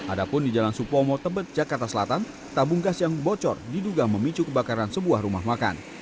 ada pun di jalan supomo tebet jakarta selatan tabung gas yang bocor diduga memicu kebakaran sebuah rumah makan